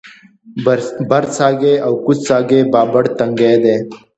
برڅاګی او کوز څاګی بابړ تنګی دی